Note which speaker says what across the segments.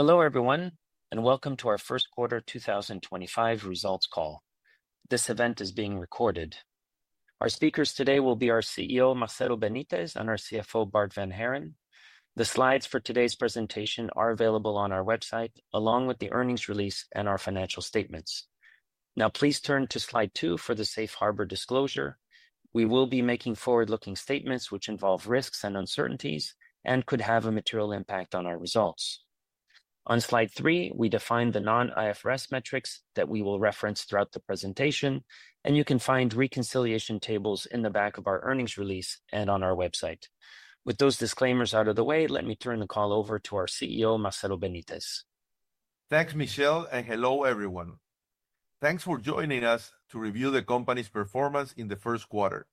Speaker 1: Hello, everyone, and welcome to our First Quarter 2025 Results Call. This event is being recorded. Our speakers today will be our CEO, Marcelo Benitez, and our CFO, Bart Vanhaeren. The slides for today's presentation are available on our website, along with the earnings release and our financial statements. Now, please turn to slide two for the safe harbor disclosure. We will be making forward-looking statements which involve risks and uncertainties and could have a material impact on our results. On slide three, we define the non-IFRS metrics that we will reference throughout the presentation, and you can find reconciliation tables in the back of our earnings release and on our website. With those disclaimers out of the way, let me turn the call over to our CEO, Marcelo Benitez.
Speaker 2: Thanks, Michel, and hello, everyone. Thanks for joining us to review the company's performance in the first quarter.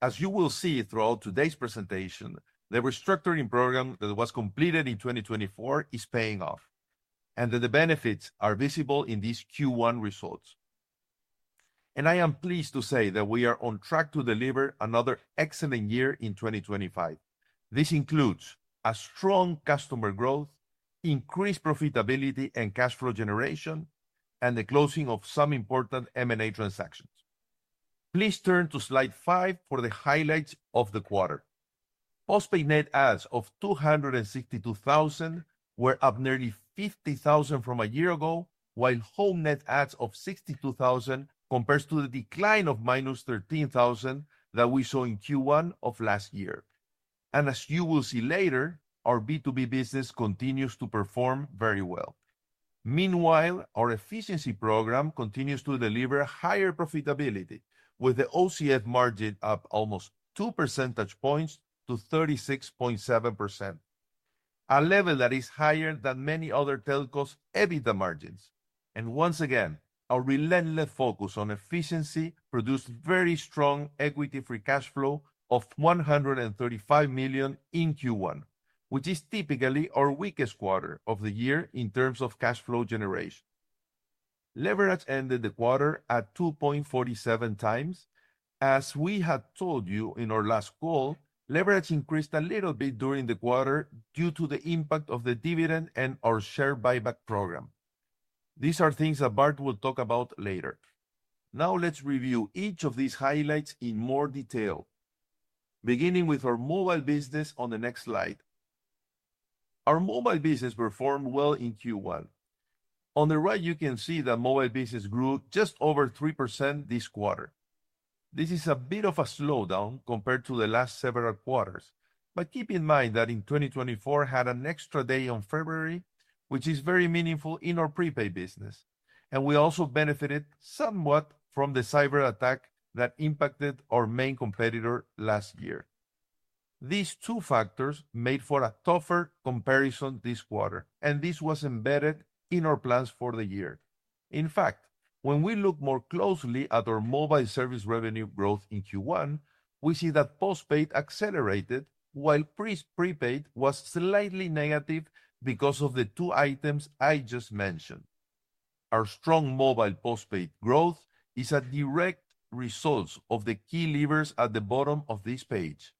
Speaker 2: As you will see throughout today's presentation, the restructuring program that was completed in 2024 is paying off, and the benefits are visible in these Q1 results. I am pleased to say that we are on track to deliver another excellent year in 2025. This includes strong customer growth, increased profitability and cash flow generation, and the closing of some important M&A transactions. Please turn to slide five for the highlights of the quarter. Postpaid net adds of 262,000 were up nearly 50,000 from a year ago, while home net adds of 62,000 compared to the decline of minus 13,000 that we saw in Q1 of last year. As you will see later, our B2B business continues to perform very well. Meanwhile, our efficiency program continues to deliver higher profitability, with the OCF margin up almost two percentage points to 36.7%, a level that is higher than many other telcos' EBITDA margins. Once again, our relentless focus on efficiency produced very strong equity-free cash flow of $135 million in Q1, which is typically our weakest quarter of the year in terms of cash flow generation. Leverage ended the quarter at 2.47 times. As we had told you in our last call, leverage increased a little bit during the quarter due to the impact of the dividend and our share buyback program. These are things that Bart will talk about later. Now, let's review each of these highlights in more detail, beginning with our mobile business on the next slide. Our mobile business performed well in Q1. On the right, you can see that mobile business grew just over 3% this quarter. This is a bit of a slowdown compared to the last several quarters, but keep in mind that in 2024, we had an extra day in February, which is very meaningful in our prepaid business. We also benefited somewhat from the cyber attack that impacted our main competitor last year. These two factors made for a tougher comparison this quarter, and this was embedded in our plans for the year. In fact, when we look more closely at our mobile service revenue growth in Q1, we see that postpaid accelerated, while prepaid was slightly negative because of the two items I just mentioned. Our strong mobile postpaid growth is a direct result of the key levers at the bottom of this page.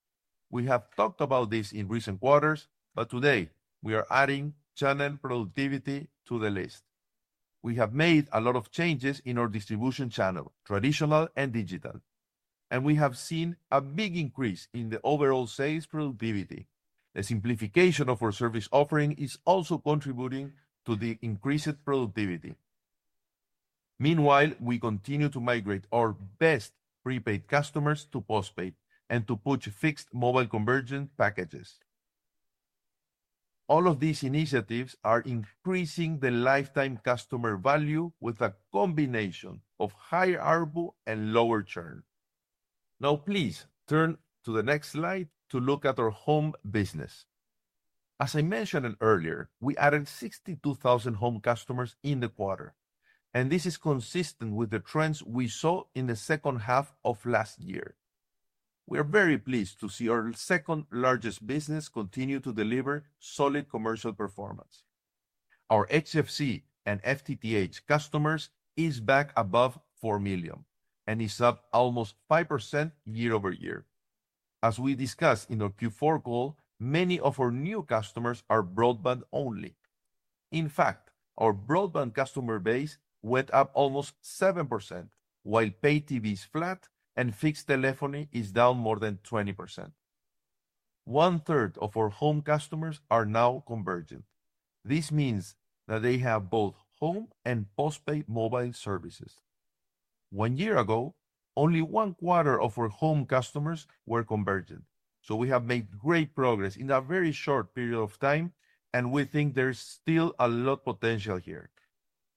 Speaker 2: We have talked about this in recent quarters, but today we are adding channel productivity to the list. We have made a lot of changes in our distribution channel, traditional and digital, and we have seen a big increase in the overall sales productivity. The simplification of our service offering is also contributing to the increased productivity. Meanwhile, we continue to migrate our best prepaid customers to postpaid and to push fixed mobile conversion packages. All of these initiatives are increasing the lifetime customer value with a combination of higher ARPU and lower churn. Now, please turn to the next slide to look at our home business. As I mentioned earlier, we added 62,000 home customers in the quarter, and this is consistent with the trends we saw in the second half of last year. We are very pleased to see our second largest business continue to deliver solid commercial performance. Our HFC and FTTH customers are back above 4 million and are up almost 5% year-over-year. As we discussed in our Q4 goal, many of our new customers are broadband only. In fact, our broadband customer base went up almost 7%, while pay TV is flat and fixed telephony is down more than 20%. One third of our home customers are now convergent. This means that they have both home and postpaid mobile services. One year ago, only one quarter of our home customers were convergent, so we have made great progress in a very short period of time, and we think there's still a lot of potential here.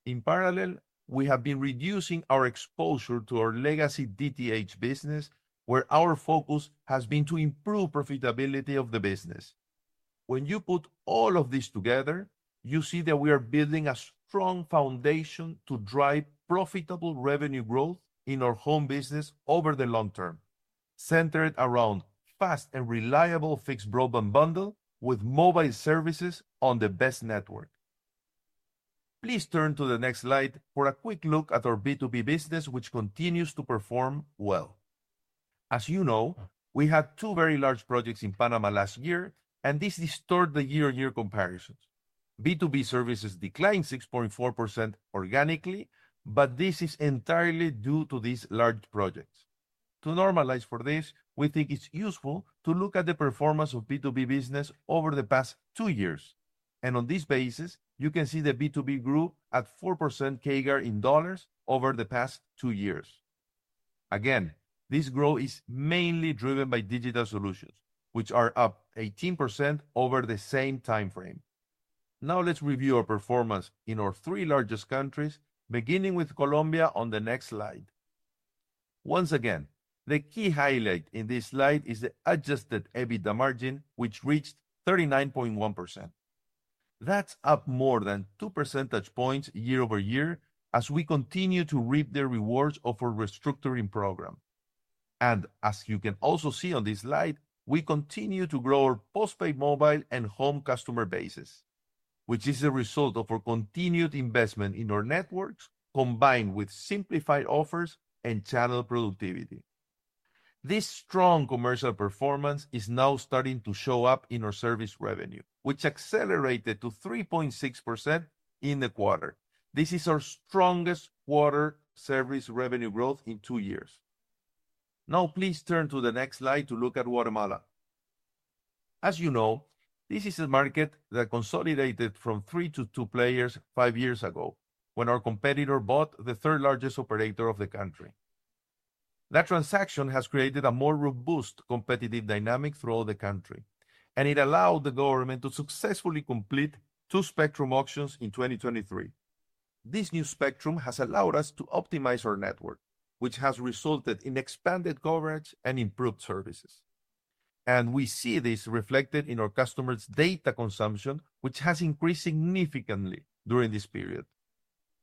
Speaker 2: In parallel, we have been reducing our exposure to our legacy DTH business, where our focus has been to improve the profitability of the business. When you put all of this together, you see that we are building a strong foundation to drive profitable revenue growth in our home business over the long term, centered around a fast and reliable fixed broadband bundle with mobile services on the best network. Please turn to the next slide for a quick look at our B2B business, which continues to perform well. As you know, we had two very large projects in Panama last year, and this distorts the year-on-year comparisons. B2B services declined 6.4% organically, but this is entirely due to these large projects. To normalize for this, we think it's useful to look at the performance of B2B business over the past two years, and on this basis, you can see that B2B grew at 4% CAGR in dollars over the past two years. Again, this growth is mainly driven by digital solutions, which are up 18% over the same timeframe. Now, let's review our performance in our three largest countries, beginning with Colombia on the next slide. The key highlight in this slide is the adjusted EBITDA margin, which reached 39.1%. That's up more than two percentage points year-over-year as we continue to reap the rewards of our restructuring program. As you can also see on this slide, we continue to grow our postpaid mobile and home customer bases, which is a result of our continued investment in our networks combined with simplified offers and channel productivity. This strong commercial performance is now starting to show up in our service revenue, which accelerated to 3.6% in the quarter. This is our strongest quarter service revenue growth in two years. Now, please turn to the next slide to look at Guatemala. As you know, this is a market that consolidated from three to two players five years ago when our competitor bought the third largest operator of the country. That transaction has created a more robust competitive dynamic throughout the country, and it allowed the government to successfully complete two spectrum auctions in 2023. This new spectrum has allowed us to optimize our network, which has resulted in expanded coverage and improved services. We see this reflected in our customers' data consumption, which has increased significantly during this period.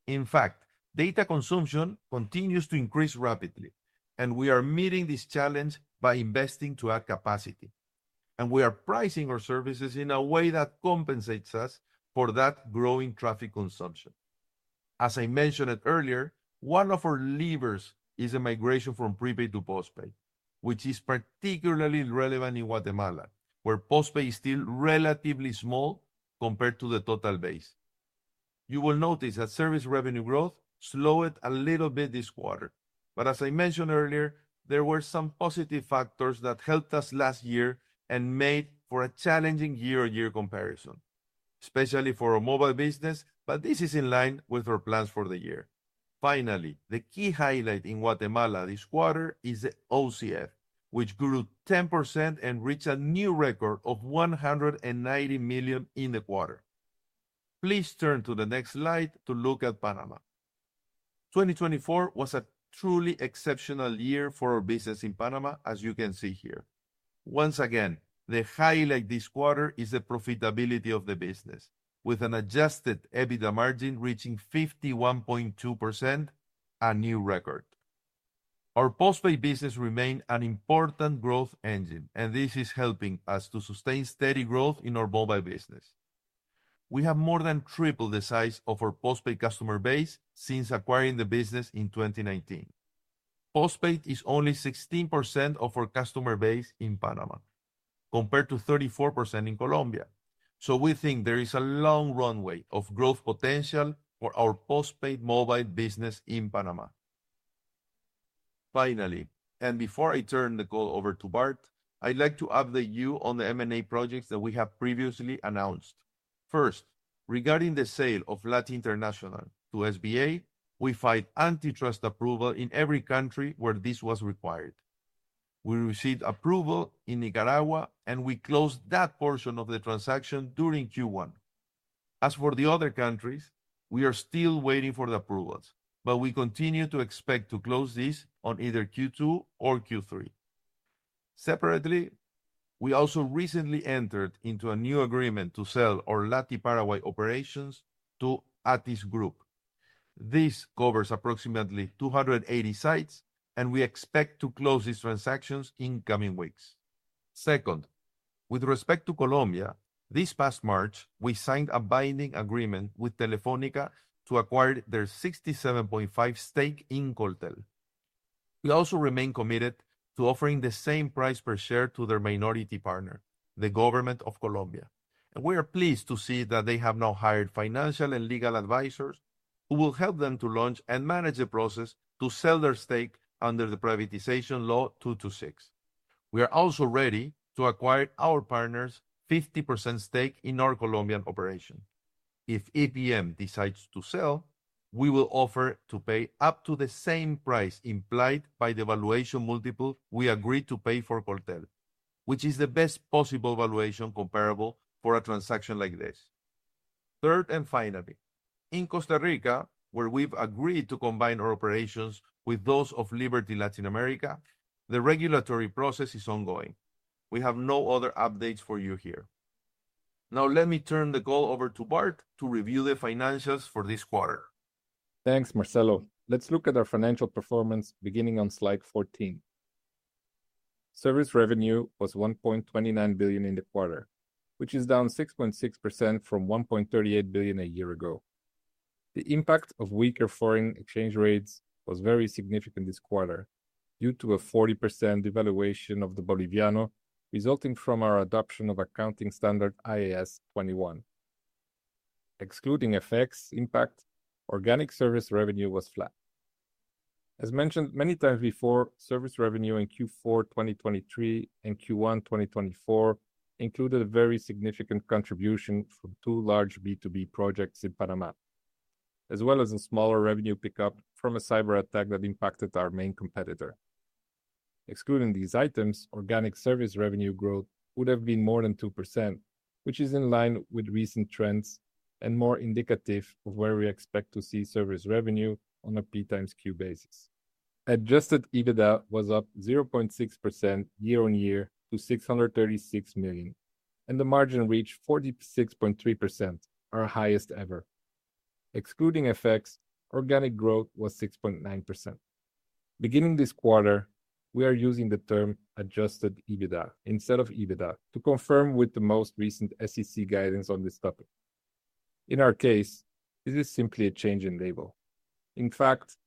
Speaker 2: In fact, data consumption continues to increase rapidly, and we are meeting this challenge by investing to add capacity, and we are pricing our services in a way that compensates us for that growing traffic consumption. As I mentioned earlier, one of our levers is the migration from prepaid to postpaid, which is particularly relevant in Guatemala, where postpaid is still relatively small compared to the total base. You will notice that service revenue growth slowed a little bit this quarter, but as I mentioned earlier, there were some positive factors that helped us last year and made for a challenging year-on-year comparison, especially for our mobile business, but this is in line with our plans for the year. Finally, the key highlight in Guatemala this quarter is the OCF, which grew 10% and reached a new record of $190 million in the quarter. Please turn to the next slide to look at Panama. 2024 was a truly exceptional year for our business in Panama, as you can see here. Once again, the highlight this quarter is the profitability of the business, with an adjusted EBITDA margin reaching 51.2%, a new record. Our postpaid business remains an important growth engine, and this is helping us to sustain steady growth in our mobile business. We have more than tripled the size of our postpaid customer base since acquiring the business in 2019. Postpaid is only 16% of our customer base in Panama, compared to 34% in Colombia, so we think there is a long runway of growth potential for our postpaid mobile business in Panama. Finally, and before I turn the call over to Bart, I'd like to update you on the M&A projects that we have previously announced. First, regarding the sale of Lattie International to SBA Communications, we filed antitrust approval in every country where this was required. We received approval in Nicaragua, and we closed that portion of the transaction during Q1. As for the other countries, we are still waiting for the approvals, but we continue to expect to close this on either Q2 or Q3. Separately, we also recently entered into a new agreement to sell our Lattie Paraguay operations to Atis Group. This covers approximately 280 sites, and we expect to close these transactions in coming weeks. Second, with respect to Colombia, this past March, we signed a binding agreement with Telefónica to acquire their 67.5% stake in Coltel. We also remain committed to offering the same price per share to their minority partner, the government of Colombia, and we are pleased to see that they have now hired financial and legal advisors who will help them to launch and manage the process to sell their stake under the privatization law 226. We are also ready to acquire our partner's 50% stake in our Colombian operation. If EPM decides to sell, we will offer to pay up to the same price implied by the valuation multiple we agreed to pay for Coltel, which is the best possible valuation comparable for a transaction like this. Third and finally, in Costa Rica, where we have agreed to combine our operations with those of Liberty Latin America, the regulatory process is ongoing. We have no other updates for you here. Now, let me turn the call over to Bart to review the financials for this quarter.
Speaker 3: Thanks, Marcelo. Let's look at our financial performance beginning on slide 14. Service revenue was $1.29 billion in the quarter, which is down 6.6% from $1.38 billion a year ago. The impact of weaker foreign exchange rates was very significant this quarter due to a 40% devaluation of the Boliviano resulting from our adoption of accounting standard IAS 21. Excluding FX impact, organic service revenue was flat. As mentioned many times before, service revenue in Q4 2023 and Q1 2024 included a very significant contribution from two large B2B projects in Panama, as well as a smaller revenue pickup from a cyber attack that impacted our main competitor. Excluding these items, organic service revenue growth would have been more than 2%, which is in line with recent trends and more indicative of where we expect to see service revenue on a P times Q basis. Adjusted EBITDA was up 0.6% year-on-year to $636 million, and the margin reached 46.3%, our highest ever. Excluding FX, organic growth was 6.9%. Beginning this quarter, we are using the term adjusted EBITDA instead of EBITDA to conform with the most recent SEC guidance on this topic. In our case, this is simply a change in label. In fact,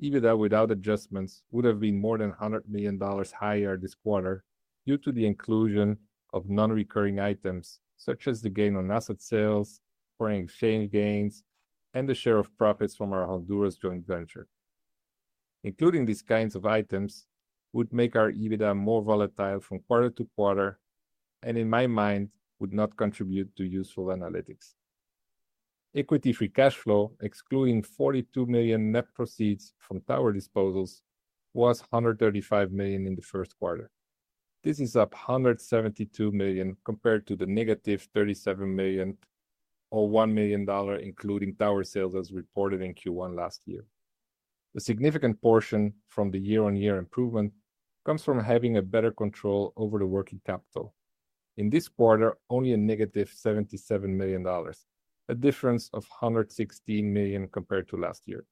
Speaker 3: EBITDA without adjustments would have been more than $100 million higher this quarter due to the inclusion of non-recurring items such as the gain on asset sales, foreign exchange gains, and the share of profits from our Honduras joint venture. Including these kinds of items would make our EBITDA more volatile from quarter to quarter and, in my mind, would not contribute to useful analytics. Equity-free cash flow, excluding $42 million net proceeds from tower disposals, was $135 million in the first quarter. This is up $172 million compared to the negative $37 million or $1 million including tower sales as reported in Q1 last year. A significant portion from the year-on-year improvement comes from having better control over the working capital. In this quarter, only a negative $77 million, a difference of $116 million compared to last year.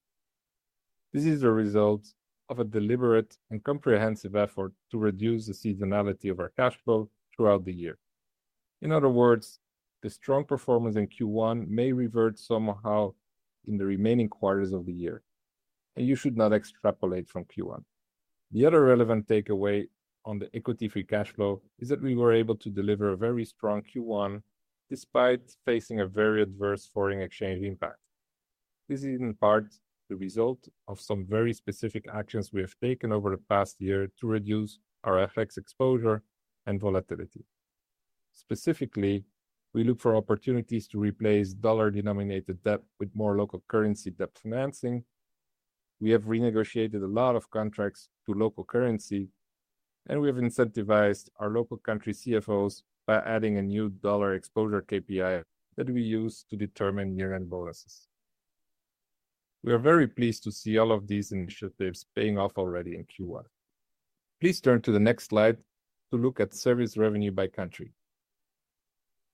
Speaker 3: This is a result of a deliberate and comprehensive effort to reduce the seasonality of our cash flow throughout the year. In other words, the strong performance in Q1 may revert somehow in the remaining quarters of the year, and you should not extrapolate from Q1. The other relevant takeaway on the equity-free cash flow is that we were able to deliver a very strong Q1 despite facing a very adverse foreign exchange impact. This is in part the result of some very specific actions we have taken over the past year to reduce our FX exposure and volatility. Specifically, we look for opportunities to replace dollar-denominated debt with more local currency debt financing. We have renegotiated a lot of contracts to local currency, and we have incentivized our local country CFOs by adding a new dollar exposure KPI that we use to determine year-end bonuses. We are very pleased to see all of these initiatives paying off already in Q1. Please turn to the next slide to look at service revenue by country.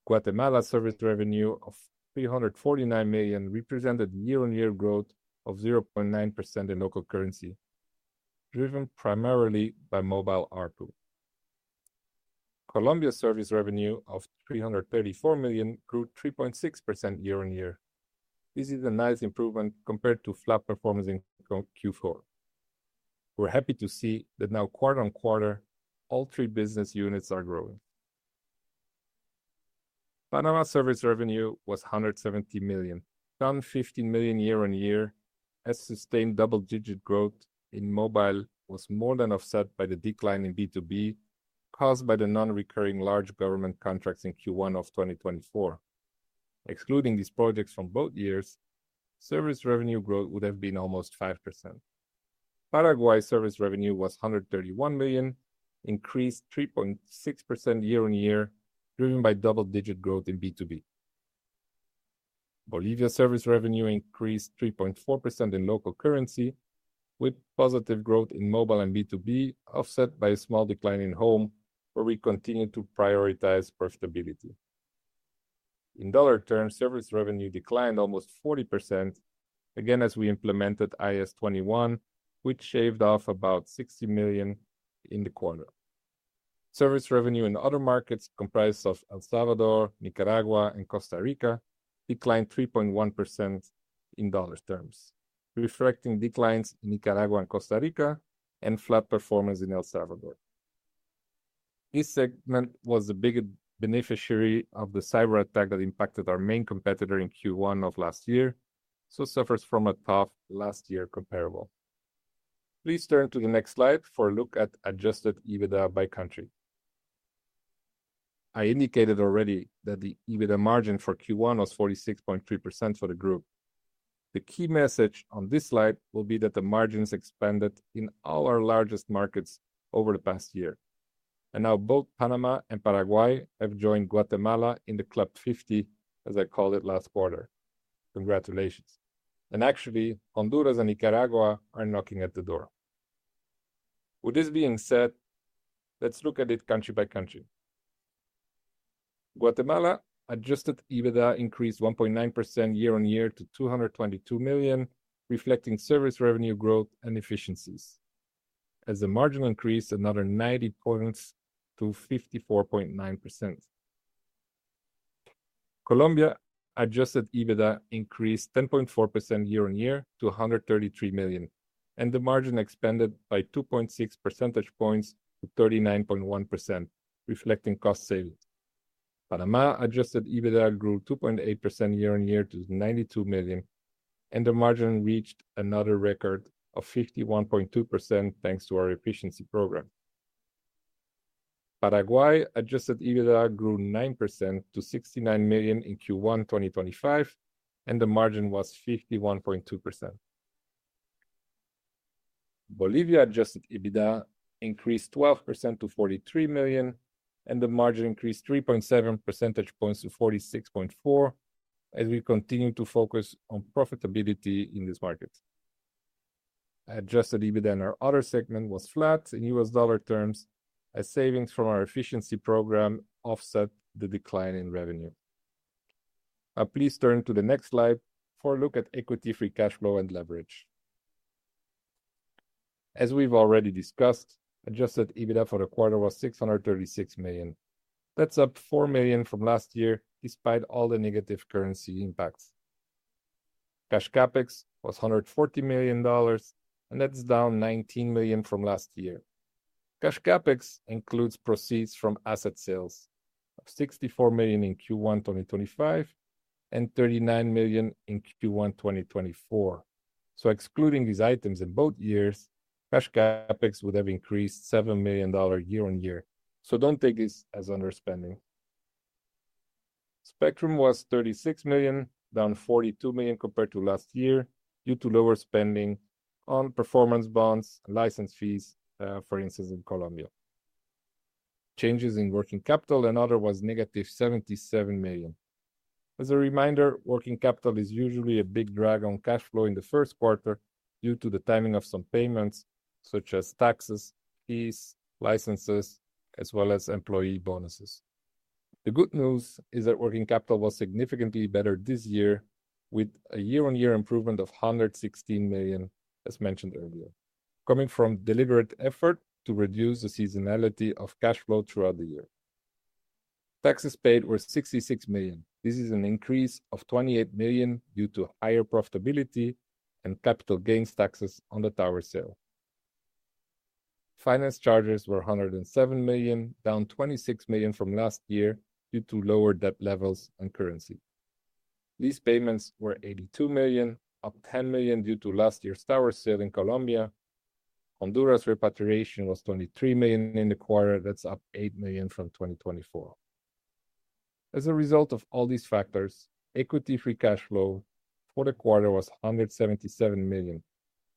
Speaker 3: Guatemala's service revenue of $349 million represented year-on-year growth of 0.9% in local currency, driven primarily by mobile ARPU. Colombia's service revenue of $334 million grew 3.6% year-on-year. This is a nice improvement compared to flat performance in Q4. We're happy to see that now quarter on quarter, all three business units are growing. Panama's service revenue was $170 million. $115 million year-on-year has sustained double-digit growth in mobile. Was more than offset by the decline in B2B caused by the non-recurring large government contracts in Q1 of 2024. Excluding these projects from both years, service revenue growth would have been almost 5%. Paraguay's service revenue was $131 million, increased 3.6% year-on-year, driven by double-digit growth in B2B. Bolivia's service revenue increased 3.4% in local currency, with positive growth in mobile and B2B offset by a small decline in home, where we continue to prioritize profitability. In dollar terms, service revenue declined almost 40%, again as we implemented IAS 21, which shaved off about $60 million in the quarter. Service revenue in other markets comprised of El Salvador, Nicaragua, and Costa Rica declined 3.1% in dollar terms, reflecting declines in Nicaragua and Costa Rica and flat performance in El Salvador. This segment was the biggest beneficiary of the cyber attack that impacted our main competitor in Q1 of last year, so it suffers from a tough last-year comparable. Please turn to the next slide for a look at adjusted EBITDA by country. I indicated already that the EBITDA margin for Q1 was 46.3% for the group. The key message on this slide will be that the margins expanded in all our largest markets over the past year, and now both Panama and Paraguay have joined Guatemala in the club 50, as I called it last quarter. Congratulations. Actually, Honduras and Nicaragua are knocking at the door. With this being said, let's look at it country by country. Guatemala's adjusted EBITDA increased 1.9% year-on-year to $222 million, reflecting service revenue growth and efficiencies, as the margin increased another 90 basis points to 54.9%. Colombia's adjusted EBITDA increased 10.4% year-on-year to $133 million, and the margin expanded by 2.6 percentage points to 39.1%, reflecting cost savings. Panama's adjusted EBITDA grew 2.8% year-on-year to $92 million, and the margin reached another record of 51.2% thanks to our efficiency program. Paraguay's adjusted EBITDA grew 9% to $69 million in Q1 2025, and the margin was 51.2%. Bolivia's adjusted EBITDA increased 12% to $43 million, and the margin increased 3.7 percentage points to 46.4%, as we continue to focus on profitability in this market. Adjusted EBITDA in our other segment was flat in US dollar terms, as savings from our efficiency program offset the decline in revenue. Please turn to the next slide for a look at equity-free cash flow and leverage. As we've already discussed, adjusted EBITDA for the quarter was $636 million. That's up $4 million from last year, despite all the negative currency impacts. Cash CapEx was $140 million, and that's down $19 million from last year. Cash CapEx includes proceeds from asset sales of $64 million in Q1 2025 and $39 million in Q1 2024. Excluding these items in both years, cash CapEx would have increased $7 million year-on-year. Do not take this as under spending. Spectrum was $36 million, down $42 million compared to last year due to lower spending on performance bonds and license fees, for instance, in Colombia. Changes in working capital and other was negative $77 million. As a reminder, working capital is usually a big drag on cash flow in the first quarter due to the timing of some payments, such as taxes, fees, licenses, as well as employee bonuses. The good news is that working capital was significantly better this year, with a year-on-year improvement of $116 million, as mentioned earlier, coming from deliberate effort to reduce the seasonality of cash flow throughout the year. Taxes paid were $66 million. This is an increase of $28 million due to higher profitability and capital gains taxes on the tower sale. Finance charges were $107 million, down $26 million from last year due to lower debt levels and currency. Lease payments were $82 million, up $10 million due to last year's tower sale in Colombia. Honduras' repatriation was $23 million in the quarter. That's up $8 million from 2024. As a result of all these factors, equity-free cash flow for the quarter was $177 million.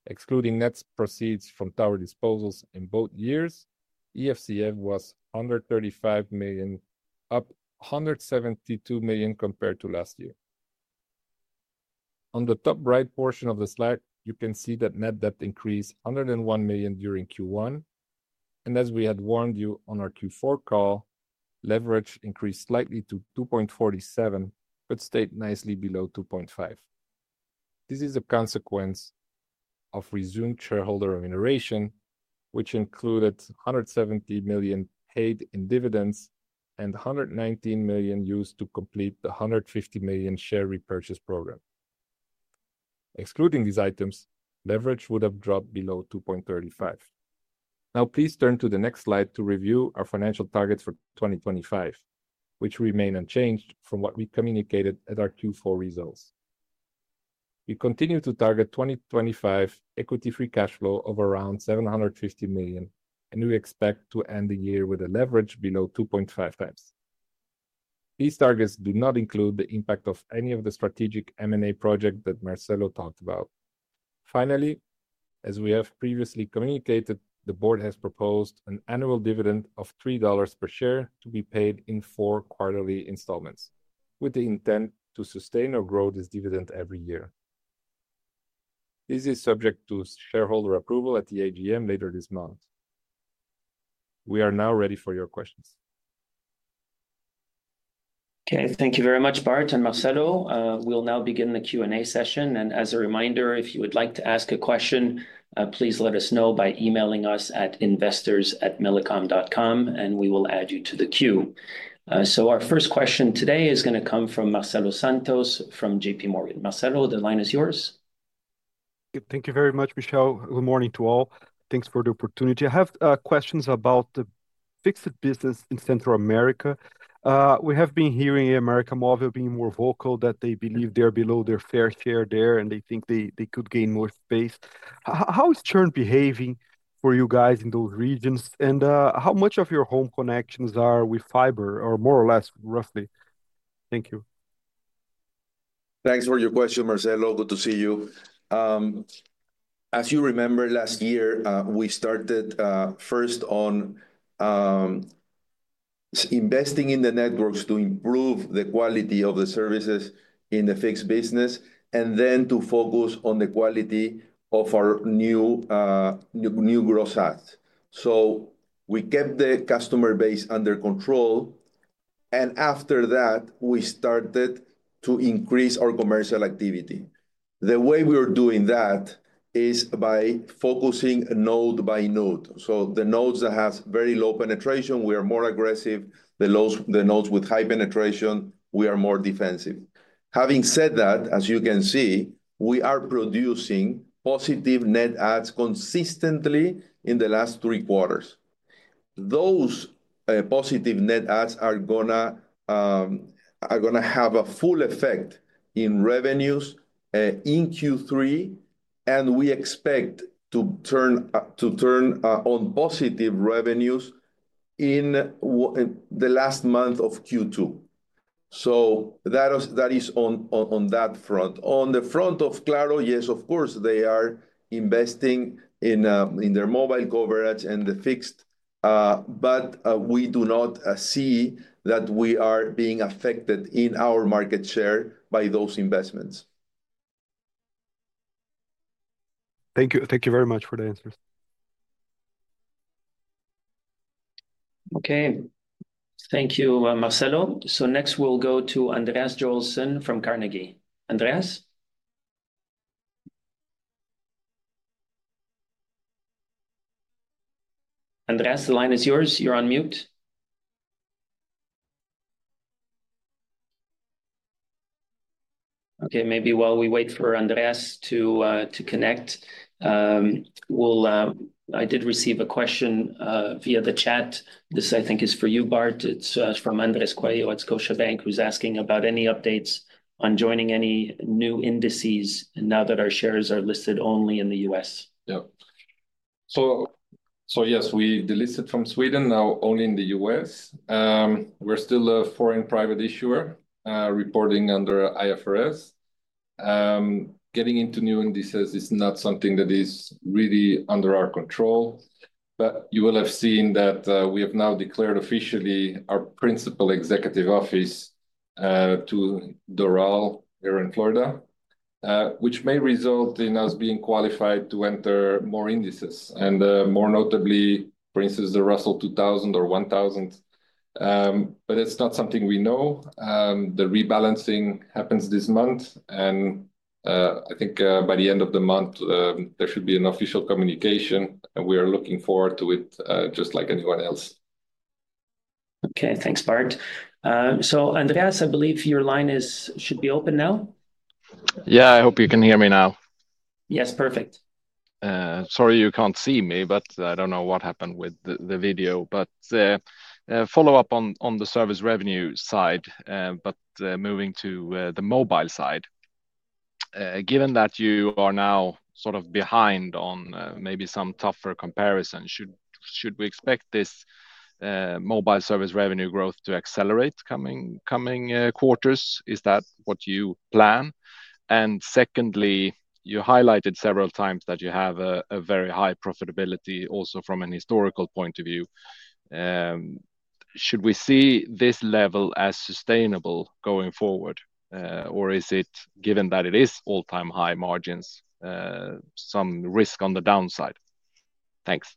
Speaker 3: Excluding net proceeds from tower disposals in both years, EFCF was $135 million, up $172 million compared to last year. On the top right portion of the slide, you can see that net debt increased $101 million during Q1. As we had warned you on our Q4 call, leverage increased slightly to 2.47, but stayed nicely below 2.5. This is a consequence of resumed shareholder remuneration, which included $170 million paid in dividends and $119 million used to complete the $150 million share repurchase program. Excluding these items, leverage would have dropped below 2.35. Now, please turn to the next slide to review our financial targets for 2025, which remain unchanged from what we communicated at our Q4 results. We continue to target 2025 equity-free cash flow of around $750 million, and we expect to end the year with a leverage below 2.5 times. These targets do not include the impact of any of the strategic M&A projects that Marcelo talked about. Finally, as we have previously communicated, the board has proposed an annual dividend of $3 per share to be paid in four quarterly installments, with the intent to sustain or grow this dividend every year. This is subject to shareholder approval at the AGM later this month. We are now ready for your questions.
Speaker 1: Okay, thank you very much, Bart and Marcelo. We'll now begin the Q&A session. As a reminder, if you would like to ask a question, please let us know by emailing us at investors@millicom.com, and we will add you to the queue. Our first question today is going to come from Marcelo Santos from JPMorgan. Marcelo, the line is yours.
Speaker 4: Thank you very much, Michel. Good morning to all. Thanks for the opportunity. I have questions about the fixed business in Central America.
Speaker 2: We have been hearing América Móvil being more vocal, that they believe they're below their fair share there, and they think they could gain more space. How is churn behaving for you guys in those regions, and how much of your home connections are with fiber, or more or less, roughly? Thank you. Thanks for your question, Marcelo. Good to see you. As you remember, last year, we started first on investing in the networks to improve the quality of the services in the fixed business, and then to focus on the quality of our new gross ads. So we kept the customer base under control, and after that, we started to increase our commercial activity. The way we are doing that is by focusing node by node. The nodes that have very low penetration, we are more aggressive. The nodes with high penetration, we are more defensive. Having said that, as you can see, we are producing positive net ads consistently in the last three quarters. Those positive net ads are going to have a full effect in revenues in Q3, and we expect to turn on positive revenues in the last month of Q2. That is on that front. On the front of Claro, yes, of course, they are investing in their mobile coverage and the fixed, but we do not see that we are being affected in our market share by those investments. Thank you. Thank you very much for the answers.
Speaker 1: Okay. Thank you, Marcelo. Next, we will go to Andreas Joelsson from Carnegie. Andreas? Andreas, the line is yours. You are on mute. Okay, maybe while we wait for Andreas to connect, I did receive a question via the chat. This, I think, is for you, Bart. It's from Andrés Cuellar at Scotiabank, who's asking about any updates on joining any new indices now that our shares are listed only in the U.S.
Speaker 3: Yeah. So yes, we delisted from Sweden, now only in the U.S. We're still a foreign private issuer reporting under IFRS. Getting into new indices is not something that is really under our control, but you will have seen that we have now declared officially our principal executive office to Doral here in Florida, which may result in us being qualified to enter more indices, and more notably, for instance, the Russell 2000 or 1000. It's not something we know. The rebalancing happens this month, and I think by the end of the month, there should be an official communication, and we are looking forward to it just like anyone else.
Speaker 1: Okay, thanks, Bart. Andreas, I believe your line should be open now.
Speaker 5: Yeah, I hope you can hear me now.
Speaker 1: Yes, perfect.
Speaker 5: Sorry you can't see me, but I don't know what happened with the video. Follow up on the service revenue side, but moving to the mobile side. Given that you are now sort of behind on maybe some tougher comparisons, should we expect this mobile service revenue growth to accelerate coming quarters? Is that what you plan? Secondly, you highlighted several times that you have a very high profitability also from a historical point of view. Should we see this level as sustainable going forward, or is it, given that it is all-time high margins, some risk on the downside? Thanks.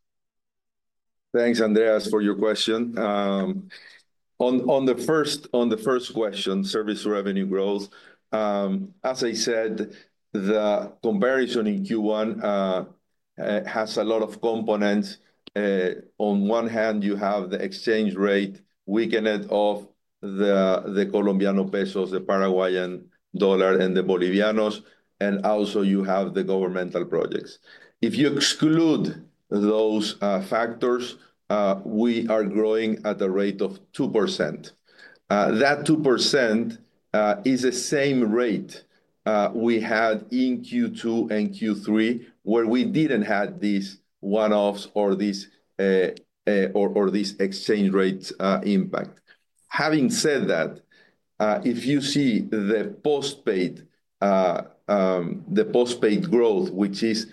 Speaker 2: Thanks, Andreas, for your question. On the first question, service revenue growth, as I said, the comparison in Q1 has a lot of components. On one hand, you have the exchange rate weakened of the Colombian peso, the Paraguayan guaraní, and the Boliviano. Also, you have the governmental projects. If you exclude those factors, we are growing at a rate of 2%. That 2% is the same rate we had in Q2 and Q3, where we did not have these one-offs or this exchange rate impact. Having said that, if you see the postpaid growth, which is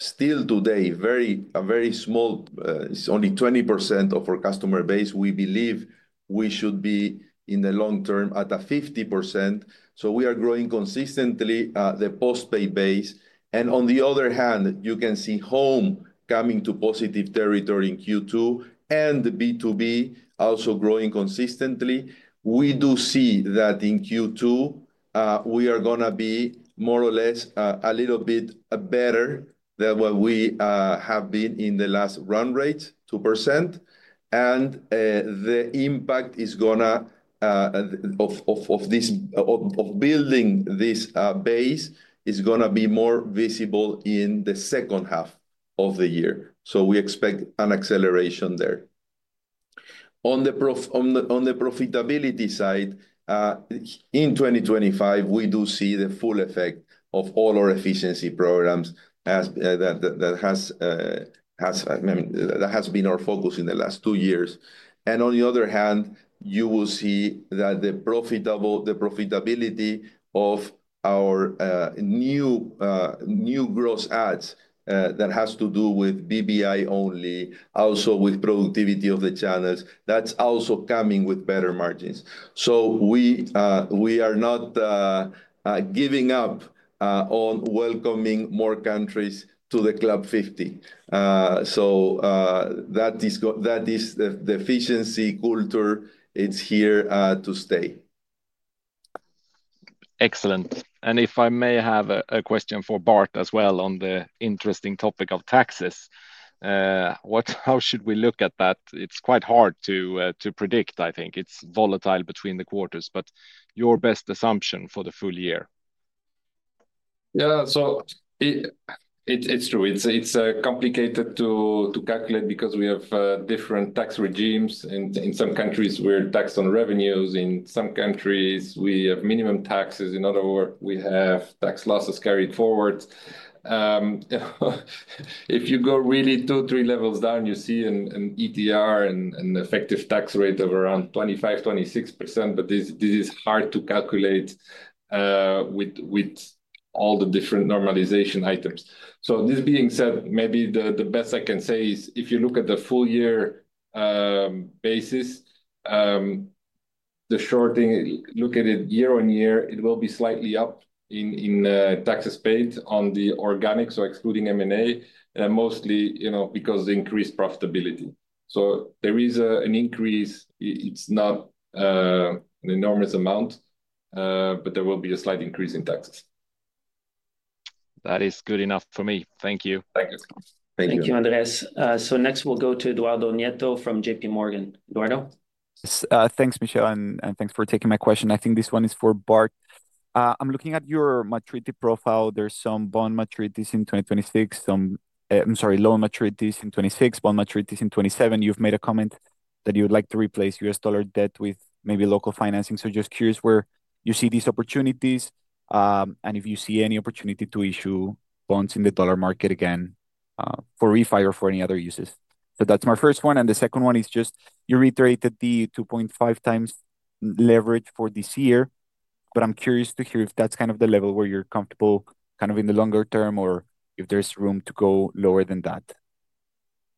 Speaker 2: still today very small, it is only 20% of our customer base, we believe we should be in the long term at 50%. We are growing consistently at the postpaid base. On the other hand, you can see home coming to positive territory in Q2, and B2B also growing consistently. We do see that in Q2, we are going to be more or less a little bit better than what we have been in the last run rate, 2%. The impact of building this base is going to be more visible in the second half of the year. We expect an acceleration there. On the profitability side, in 2025, we do see the full effect of all our efficiency programs that has been our focus in the last two years. On the other hand, you will see that the profitability of our new gross ads that has to do with B2B only, also with productivity of the channels, that's also coming with better margins. We are not giving up on welcoming more countries to the Club 50. That is the efficiency culture. It's here to stay.
Speaker 5: Excellent. If I may have a question for Bart as well on the interesting topic of taxes, how should we look at that? It's quite hard to predict, I think. It's volatile between the quarters. Your best assumption for the full year?
Speaker 3: Yeah, it's true. It's complicated to calculate because we have different tax regimes. In some countries, we're taxed on revenues. In some countries, we have minimum taxes. In other words, we have tax losses carried forward. If you go really two, three levels down, you see an ETR, an effective tax rate of around 25%-26%. This is hard to calculate with all the different normalization items.
Speaker 2: This being said, maybe the best I can say is if you look at the full-year basis, the shorting, look at it year-on-year, it will be slightly up in taxes paid on the organic, so excluding M&A, mostly because of increased profitability. There is an increase. It's not an enormous amount, but there will be a slight increase in taxes.
Speaker 5: That is good enough for me. Thank you.
Speaker 3: Thank you.
Speaker 1: Thank you, Andreas. Next, we'll go to Eduardo Nieto from JPMorgan. Eduardo?
Speaker 6: Thanks, Michel, and thanks for taking my question. I think this one is for Bart. I'm looking at your matric profile. There's some bond matric in 2026, some, I'm sorry, loan matric in 2026, bond matric in 2027. You've made a comment that you'd like to replace US dollar debt with maybe local financing. Just curious where you see these opportunities and if you see any opportunity to issue bonds in the dollar market again for refi or for any other uses. That is my first one. The second one is you reiterated the 2.5 times leverage for this year, but I am curious to hear if that is kind of the level where you are comfortable in the longer term or if there is room to go lower than that.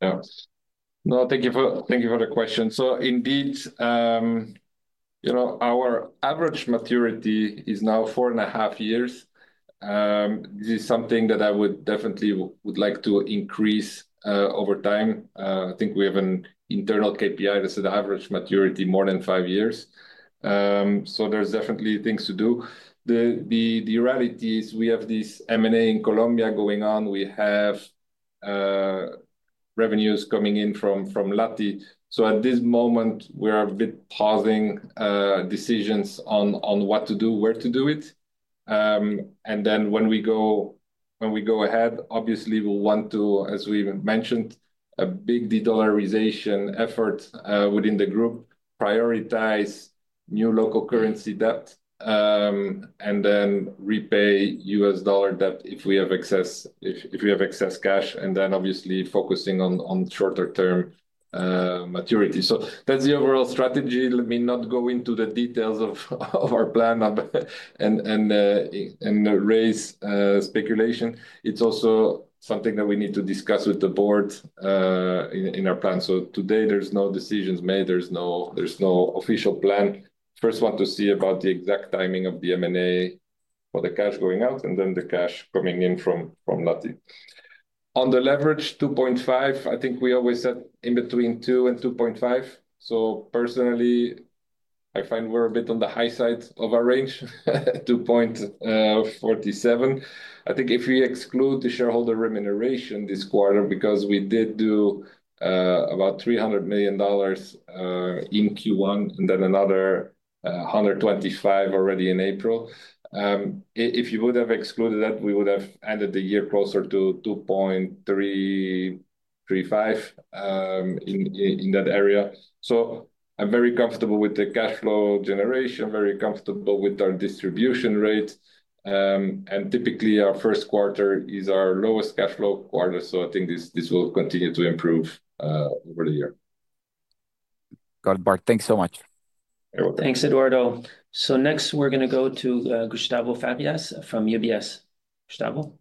Speaker 3: Yeah. No, thank you for the question. Indeed, our average maturity is now four and a half years. This is something that I would definitely like to increase over time. I think we have an internal KPI that says the average maturity more than five years. There are definitely things to do. The reality is we have this M&A in Colombia going on. We have revenues coming in from Latty.
Speaker 2: At this moment, we're a bit pausing decisions on what to do, where to do it. When we go ahead, obviously, we'll want to, as we mentioned, a big de-dollarization effort within the group, prioritize new local currency debt, and then repay US dollar debt if we have excess cash, and then obviously focusing on shorter-term maturity. That's the overall strategy. Let me not go into the details of our plan and raise speculation. It's also something that we need to discuss with the board in our plan. Today, there's no decisions made. There's no official plan. First, want to see about the exact timing of the M&A for the cash going out and then the cash coming in from Lattie. On the leverage, 2.5, I think we always said in between 2 and 2.5. Personally, I find we are a bit on the high side of our range, 2.47. I think if we exclude the shareholder remuneration this quarter because we did do about $300 million in Q1 and then another $125 million already in April, if you would have excluded that, we would have ended the year closer to 2.35 in that area. I am very comfortable with the cash flow generation, very comfortable with our distribution rate. Typically, our first quarter is our lowest cash flow quarter. I think this will continue to improve over the year.
Speaker 6: Got it, Bart. Thanks so much.
Speaker 1: Thanks, Eduardo. Next, we are going to go to Gustavo Farias from UBS. Gustavo?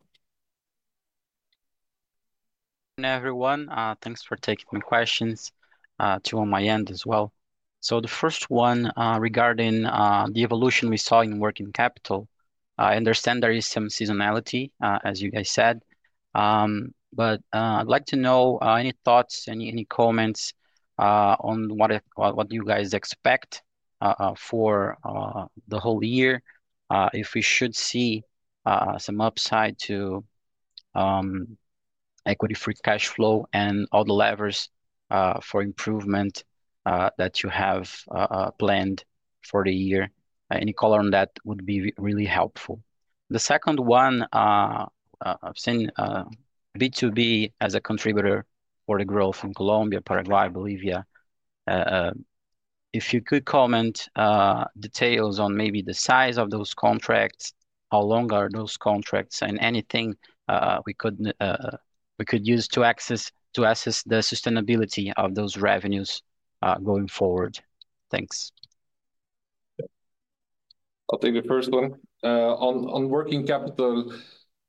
Speaker 7: Hi, everyone. Thanks for taking my questions too on my end as well. The first one regarding the evolution we saw in working capital, I understand there is some seasonality, as you guys said. I'd like to know any thoughts, any comments on what you guys expect for the whole year, if we should see some upside to equity-free cash flow and all the levers for improvement that you have planned for the year. Any color on that would be really helpful. The second one, I've seen B2B as a contributor for the growth in Colombia, Paraguay, Bolivia. If you could comment details on maybe the size of those contracts, how long are those contracts, and anything we could use to assess the sustainability of those revenues going forward. Thanks.
Speaker 3: I'll take the first one. On working capital,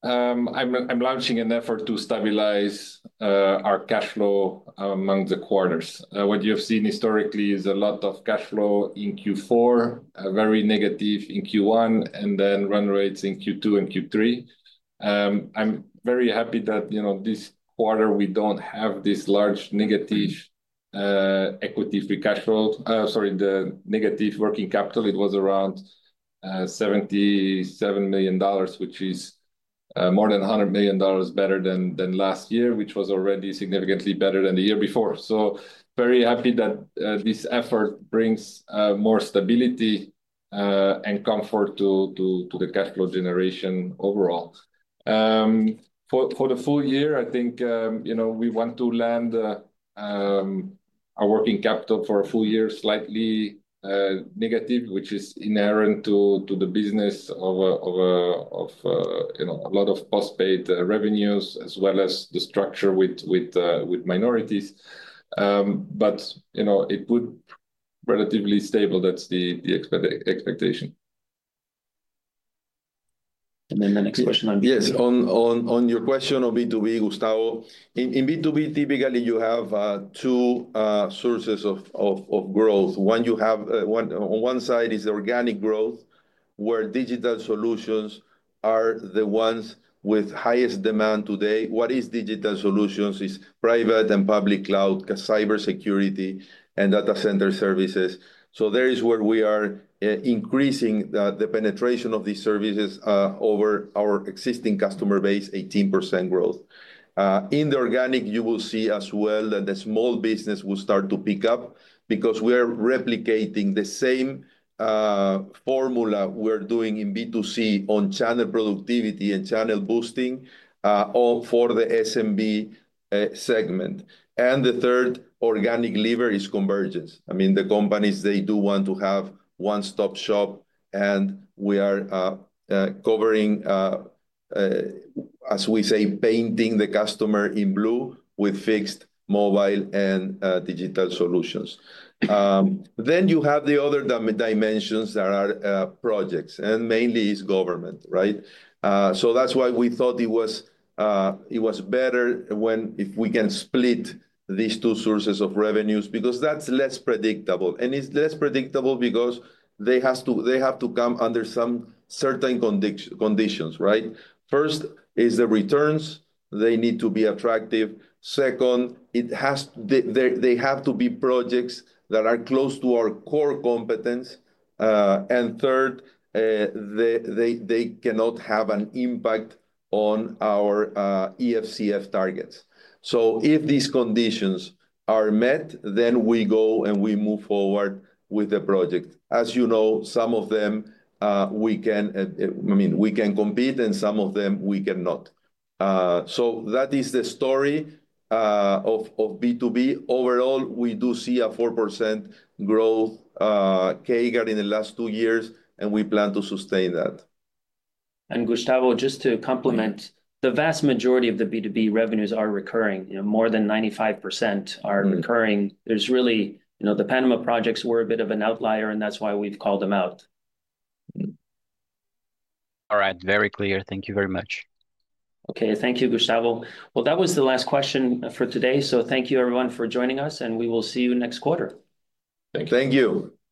Speaker 3: I'm launching an effort to stabilize our cash flow among the quarters. What you have seen historically is a lot of cash flow in Q4, very negative in Q1, and then run rates in Q2 and Q3. I'm very happy that this quarter, we don't have this large negative equity-free cash flow. Sorry, the negative working capital, it was around $77 million, which is more than $100 million better than last year, which was already significantly better than the year before. I'm very happy that this effort brings more stability and comfort to the cash flow generation overall. For the full year, I think we want to land our working capital for a full year slightly negative, which is inherent to the business of a lot of postpaid revenues as well as the structure with minorities. It would be relatively stable. That's the expectation. And then the next question on B2B. Yes, on your question on B2B, Gustavo, in B2B, typically, you have two sources of growth. One you have on one side is the organic growth, where digital solutions are the ones with highest demand today. What is digital solutions is private and public cloud, cybersecurity, and data center services. There is where we are increasing the penetration of these services over our existing customer base, 18% growth. In the organic, you will see as well that the small business will start to pick up because we are replicating the same formula we're doing in B2C on channel productivity and channel boosting for the SMB segment. The third organic lever is convergence. I mean, the companies, they do want to have one-stop shop, and we are covering, as we say, painting the customer in blue with fixed mobile and digital solutions. You have the other dimensions that are projects, and mainly it is government, right? That is why we thought it was better if we can split these two sources of revenues because that is less predictable. It is less predictable because they have to come under some certain conditions, right? First is the returns. They need to be attractive. Second, they have to be projects that are close to our core competence. Third, they cannot have an impact on our EFCF targets. If these conditions are met, then we go and we move forward with the project. As you know, some of them, I mean, we can compete, and some of them, we cannot. That is the story of B2B. Overall, we do see a 4% growth CAGR in the last two years, and we plan to sustain that.
Speaker 1: Gustavo, just to complement, the vast majority of the B2B revenues are recurring. More than 95% are recurring. The Panama projects were a bit of an outlier, and that's why we've called them out.
Speaker 7: All right. Very clear. Thank you very much.
Speaker 1: Thank you, Gustavo. That was the last question for today. Thank you, everyone, for joining us, and we will see you next quarter. Thank you.
Speaker 2: Thank you.